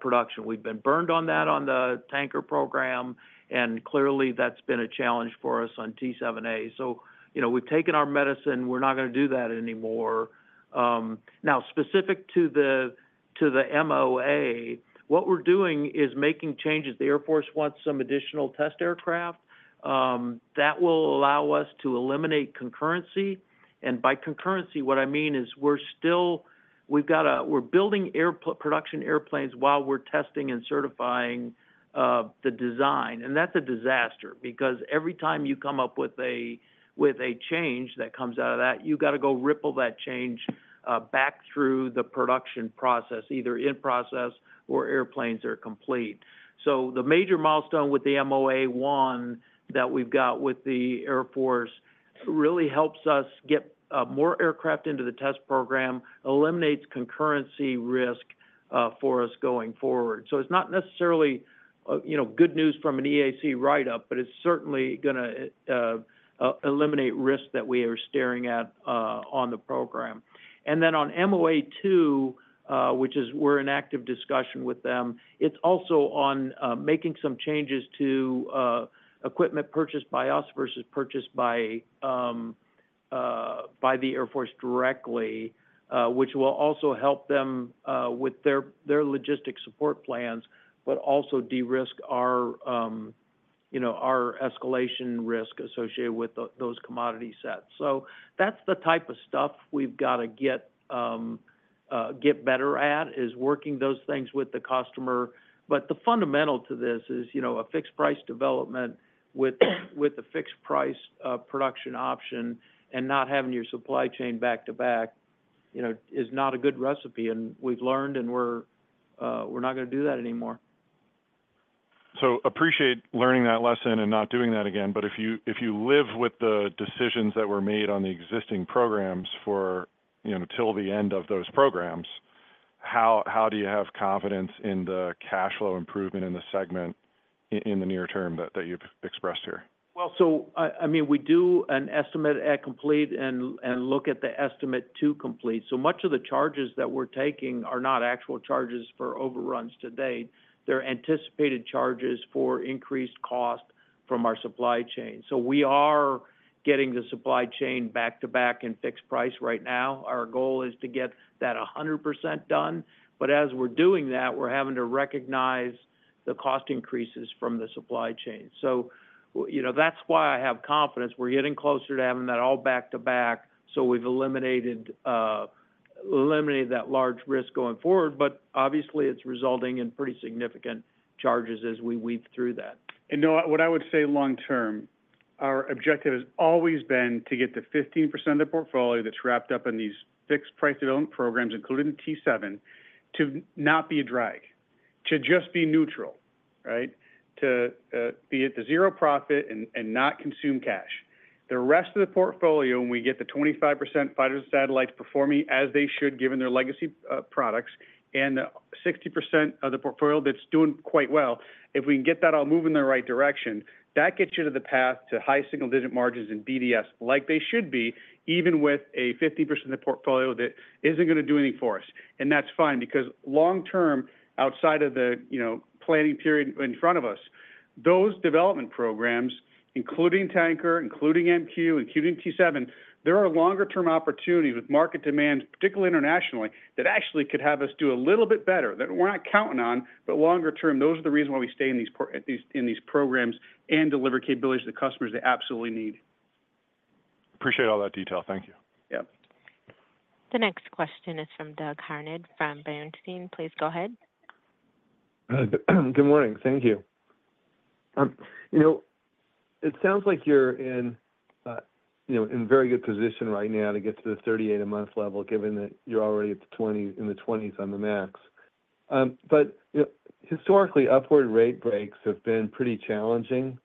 production. We've been burned on that on the tanker program, and clearly that's been a challenge for us on T-7A. So, we've taken our medicine. We're not going to do that anymore. Now, specific to the MOA, what we're doing is making changes. The Air Force wants some additional test aircraft. That will allow us to eliminate concurrency. And by concurrency, what I mean is we're still, we're building production airplanes while we're testing and certifying the design. And that's a disaster because every time you come up with a change that comes out of that, you got to go ripple that change back through the production process, either in process or airplanes that are complete. So, the major milestone with the MOA 1 that we've got with the Air Force really helps us get more aircraft into the test program, eliminates concurrency risk for us going forward. So, it's not necessarily good news from an EAC write-up, but it's certainly going to eliminate risk that we are staring at on the program. And then on MOA 2, which is we're in active discussion with them, it's also on making some changes to equipment purchased by us versus purchased by the Air Force directly, which will also help them with their logistics support plans, but also de-risk our escalation risk associated with those commodity sets. So, that's the type of stuff we've got to get better at is working those things with the customer. But the fundamental to this is a fixed-price development with a fixed-price production option and not having your supply chain back-to-back is not a good recipe. And we've learned, and we're not going to do that anymore. So, appreciate learning that lesson and not doing that again. But if you live with the decisions that were made on the existing programs till the end of those programs, how do you have confidence in the cash flow improvement in the segment in the near term that you've expressed here? Well, so, I mean, we do an estimate at completion and look at the estimate to complete. So, much of the charges that we're taking are not actual charges for overruns to date. are anticipated charges for increased cost from our supply chain. So, we are getting the supply chain back-to-back and fixed-price right now. Our goal is to get that 100% done. But as we're doing that, we're having to recognize the cost increases from the supply chain. So, that's why I have confidence. We're getting closer to having that all back-to-back. So, we've eliminated that large risk going forward. But obviously, it's resulting in pretty significant charges as we weave through that. What I would say long term, our objective has always been to get the 15% of the portfolio that's wrapped up in these fixed-price development programs, including T-7, to not be a drag, to just be neutral, right? To be at the zero profit and not consume cash. The rest of the portfolio, when we get the 25% fighter satellites performing as they should given their legacy products and the 60% of the portfolio that's doing quite well, if we can get that all moving in the right direction, that gets you to the path to high single-digit margins in BDS like they should be, even with a 50% of the portfolio that isn't going to do anything for us. And that's fine because long term, outside of the planning period in front of us, those development programs, including Tanker, including MQ, including T-7, there are longer-term opportunities with market demand, particularly internationally, that actually could have us do a little bit better that we're not counting on. But longer term, those are the reasons why we stay in these programs and deliver capabilities to the customers they absolutely need. Appreciate all that detail. Thank you. Yeah. The next question is from Douglas Harned from Bernstein. Please go ahead. Good morning. Thank you. It sounds like you're in very good position right now to get to the 38-a-month level given that you're already in the 20s on the MAX. But historically, upward rate breaks have been pretty challenging.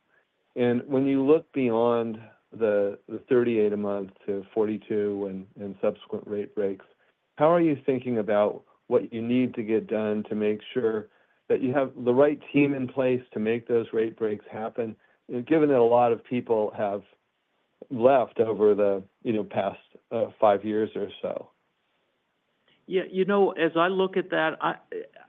When you look beyond the 38-a-month to 42 and subsequent rate breaks, how are you thinking about what you need to get done to make sure that you have the right team in place to make those rate breaks happen, given that a lot of people have left over the past five years or so? Yeah. As I look at that,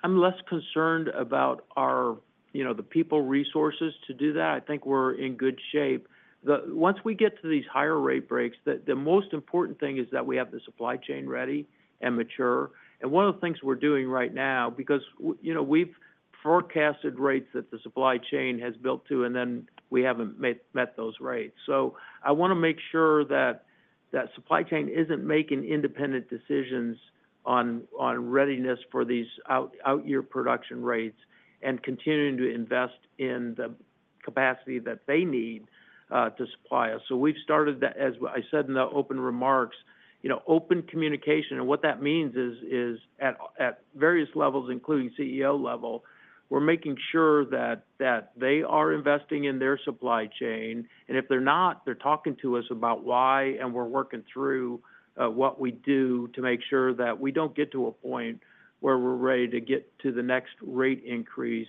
I'm less concerned about the people resources to do that. I think we're in good shape. Once we get to these higher rate breaks, the most important thing is that we have the supply chain ready and mature, and one of the things we're doing right now, because we've forecasted rates that the supply chain has built to, and then we haven't met those rates, so I want to make sure that that supply chain isn't making independent decisions on readiness for these out-year production rates and continuing to invest in the capacity that they need to supply us, so we've started, as I said in the open remarks, open communication, and what that means is at various levels, including CEO level, we're making sure that they are investing in their supply chain. If they're not, they're talking to us about why, and we're working through what we do to make sure that we don't get to a point where we're ready to get to the next rate increase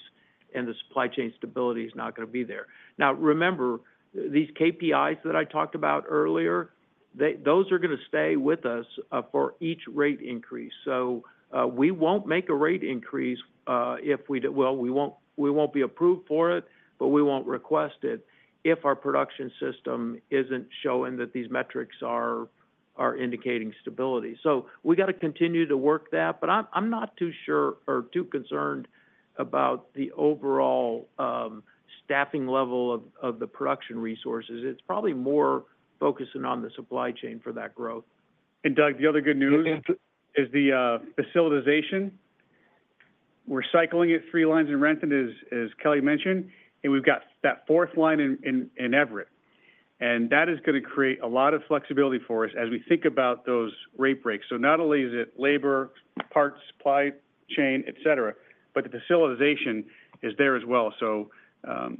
and the supply chain stability is not going to be there. Now, remember, these KPIs that I talked about earlier, those are going to stay with us for each rate increase. So, we won't make a rate increase if we, well, we won't be approved for it, but we won't request it if our production system isn't showing that these metrics are indicating stability. So, we got to continue to work that. But I'm not too sure or too concerned about the overall staffing level of the production resources. It's probably more focusing on the supply chain for that growth. Doug, the other good news is the facilitization. We're cycling it three lines in Renton, as Kelly mentioned, and we've got that fourth line in Everett. That is going to create a lot of flexibility for us as we think about those rate breaks. Not only is it labor, parts, supply chain, etc., but the facilitization is there as well.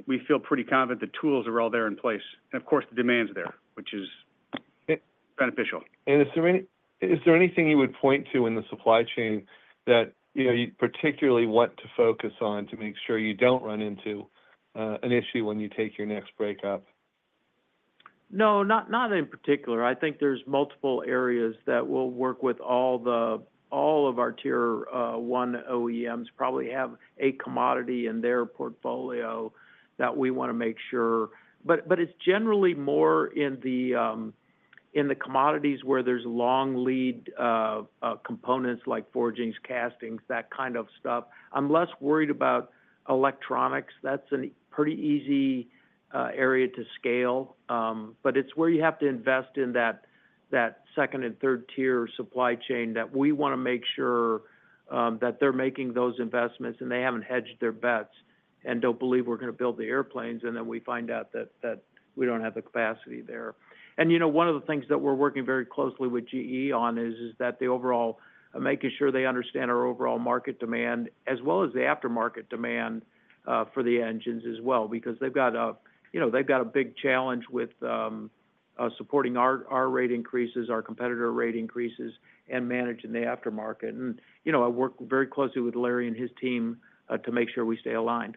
We feel pretty confident the tools are all there in place. Of course, the demand's there, which is beneficial. Is there anything you would point to in the supply chain that you particularly want to focus on to make sure you don't run into an issue when you take your next rate break? No, not in particular. I think there's multiple areas that we'll work with. All of our Tier 1 OEMs probably have a commodity in their portfolio that we want to make sure. But it's generally more in the commodities where there's long lead components like forgings, castings, that kind of stuff. I'm less worried about electronics. That's a pretty easy area to scale. But it's where you have to invest in that second and third tier supply chain that we want to make sure that they're making those investments and they haven't hedged their bets and don't believe we're going to build the airplanes and then we find out that we don't have the capacity there. And one of the things that we're working very closely with GE on is that the overall, making sure they understand our overall market demand as well as the aftermarket demand for the engines as well because they've got a big challenge with supporting our rate increases, our competitor rate increases, and managing the aftermarket. And I work very closely with Larry and his team to make sure we stay aligned.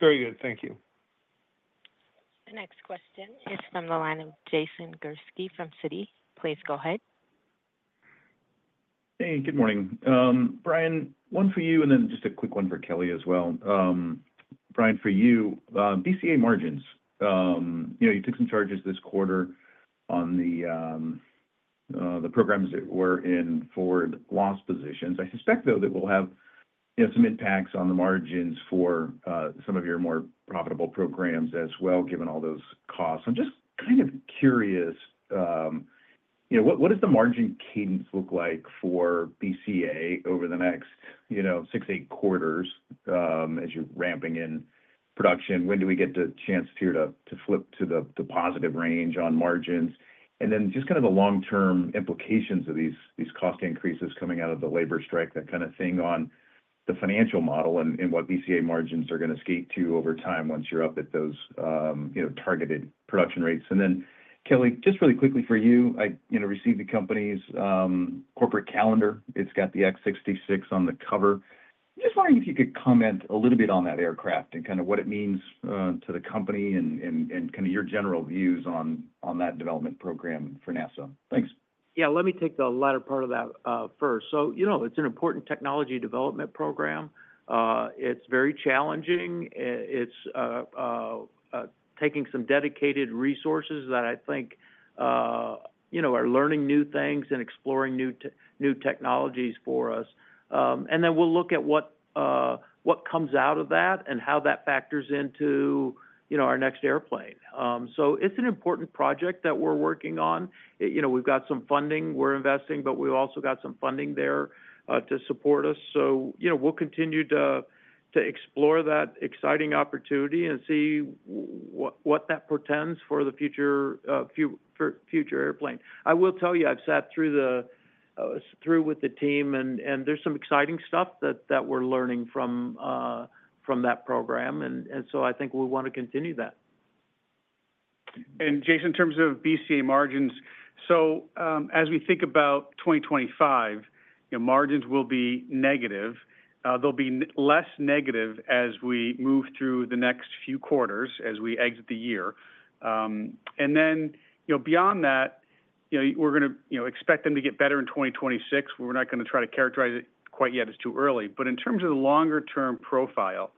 Very good. Thank you. The next question is from the line of Jason Gursky from Citi. Please go ahead. Hey, good morning. Brian, one for you and then just a quick one for Kelly as well. Brian, for you, BCA margins. You took some charges this quarter on the programs that were in forward loss positions. I suspect, though, that we'll have some impacts on the margins for some of your more profitable programs as well, given all those costs. I'm just kind of curious, what does the margin cadence look like for BCA over the next six, eight quarters as you're ramping in production? When do we get the chance here to flip to the positive range on margins? And then just kind of the long-term implications of these cost increases coming out of the labor strike, that kind of thing on the financial model and what BCA margins are going to skate to over time once you're up at those targeted production rates. And then, Kelly, just really quickly for you, I received the company's corporate calendar. It's got the X-66 on the cover. Just wondering if you could comment a little bit on that aircraft and kind of what it means to the company and kind of your general views on that development program for NASA. Thanks. Yeah. Let me take the latter part of that first. So, it's an important technology development program. It's very challenging. It's taking some dedicated resources that I think are learning new things and exploring new technologies for us. And then we'll look at what comes out of that and how that factors into our next airplane. So, it's an important project that we're working on. We've got some funding we're investing, but we've also got some funding there to support us. So, we'll continue to explore that exciting opportunity and see what that portends for the future airplane. I will tell you, I've sat through with the team, and there's some exciting stuff that we're learning from that program. And so, I think we want to continue that. And Jason, in terms of BCA margins, so as we think about 2025, margins will be negative. They'll be less negative as we move through the next few quarters as we exit the year. And then beyond that, we're going to expect them to get better in 2026. We're not going to try to characterize it quite yet. It's too early. But in terms of the longer-term profile,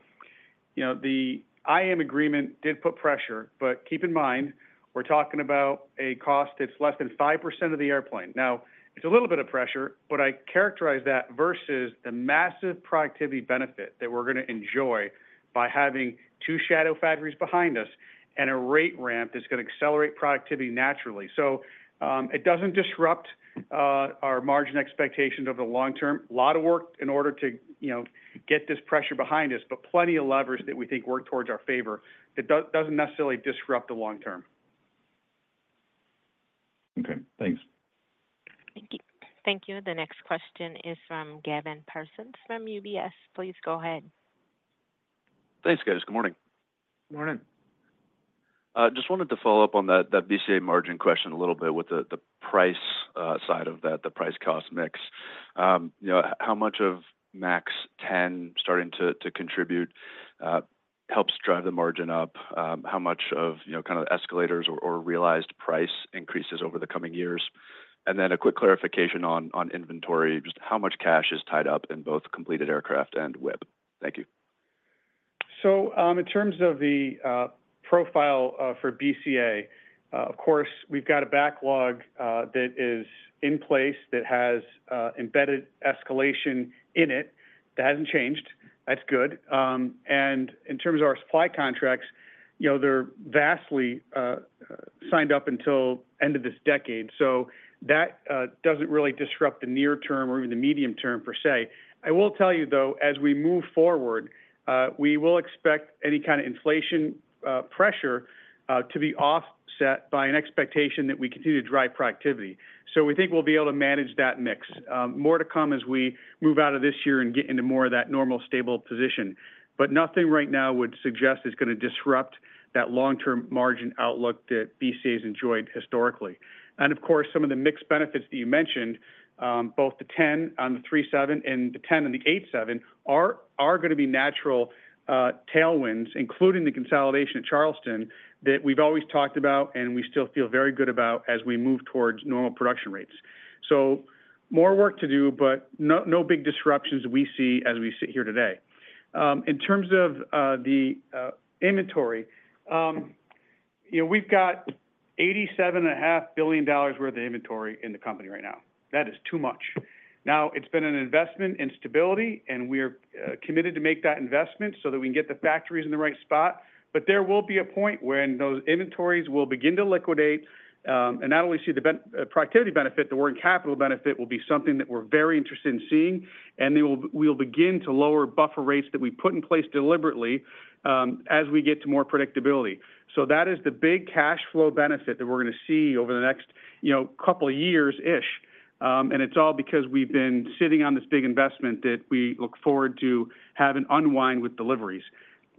the IAM agreement did put pressure. But keep in mind, we're talking about a cost that's less than 5% of the airplane. Now, it's a little bit of pressure, but I characterize that versus the massive productivity benefit that we're going to enjoy by having two shadow factories behind us and a rate ramp that's going to accelerate productivity naturally. So, it doesn't disrupt our margin expectations over the long term. A lot of work in order to get this pressure behind us, but plenty of levers that we think work towards our favor that doesn't necessarily disrupt the long term. Okay. Thanks. Thank you. Thank you. The next question is from Gavin Parsons from UBS. Please go ahead. Thanks, guys. Good morning. Good morning. Just wanted to follow up on that BCA margin question a little bit with the price side of that, the price-cost mix. How much of MAX 10 starting to contribute helps drive the margin up? How much of kind of escalators or realized price increases over the coming years? And then a quick clarification on inventory, just how much cash is tied up in both completed aircraft and WIP? Thank you. So, in terms of the profile for BCA, of course, we've got a backlog that is in place that has embedded escalation in it that hasn't changed. That's good. And in terms of our supply contracts, they're vastly signed up until the end of this decade. So, that doesn't really disrupt the near-term or even the medium-term per se. I will tell you, though, as we move forward, we will expect any kind of inflation pressure to be offset by an expectation that we continue to drive productivity. We think we'll be able to manage that mix. More to come as we move out of this year and get into more of that normal stable position. Nothing right now would suggest it's going to disrupt that long-term margin outlook that BCA has enjoyed historically. Of course, some of the mixed benefits that you mentioned, both the 10 on the 737 and the 10 on the 787, are going to be natural tailwinds, including the consolidation at Charleston that we've always talked about and we still feel very good about as we move towards normal production rates. More work to do, but no big disruptions we see as we sit here today. In terms of the inventory, we've got $87.5 billion worth of inventory in the company right now. That is too much. Now, it's been an investment in stability, and we are committed to make that investment so that we can get the factories in the right spot, but there will be a point when those inventories will begin to liquidate, and not only see the productivity benefit, the working capital benefit will be something that we're very interested in seeing, and we'll begin to lower buffer rates that we put in place deliberately as we get to more predictability, so that is the big cash flow benefit that we're going to see over the next couple of years-ish, and it's all because we've been sitting on this big investment that we look forward to having unwind with deliveries,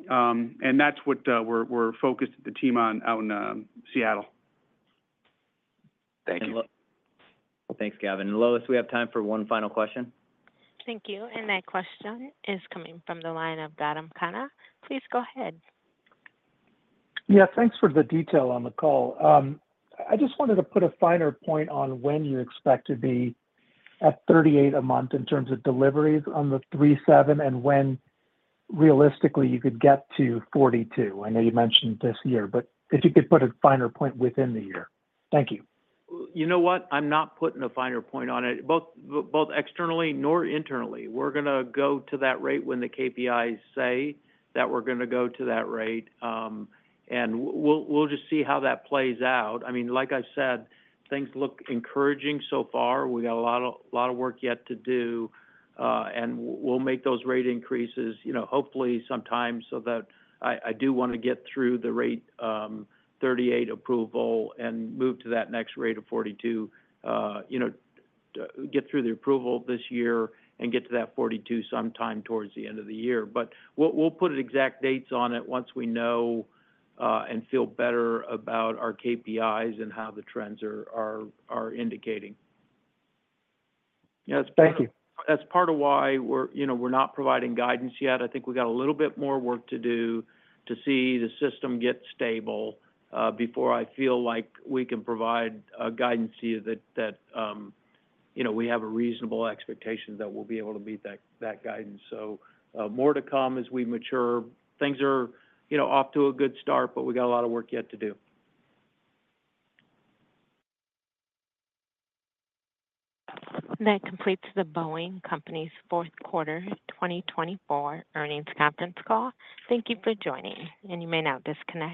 and that's what we're focused the team on out in Seattle. Thank you. Well, thanks, Gavin. And Lilas, we have time for one final question. Thank you. And that question is coming from the line of Gautam Khanna. Please go ahead. Yeah. Thanks for the detail on the call. I just wanted to put a finer point on when you expect to be at 38 a month in terms of deliveries on the 737 and when realistically you could get to 42. I know you mentioned this year, but if you could put a finer point within the year. Thank you. You know what? I'm not putting a finer point on it. Both externally nor internally, we're going to go to that rate when the KPIs say that we're going to go to that rate. And we'll just see how that plays out. I mean, like I said, things look encouraging so far. We got a lot of work yet to do. And we'll make those rate increases, hopefully, sometime so that I do want to get through the rate 38 approval and move to that next rate of 42, get through the approval this year and get to that 42 sometime towards the end of the year. But we'll put exact dates on it once we know and feel better about our KPIs and how the trends are indicating. Yeah, that's part of why we're not providing guidance yet. I think we got a little bit more work to do to see the system get stable before I feel like we can provide guidance to you that we have a reasonable expectation that we'll be able to meet that guidance. So, more to come as we mature. Things are off to a good start, but we got a lot of work yet to do. That completes The Boeing Company's fourth quarter 2024 earnings conference call. Thank you for joining, and you may now disconnect.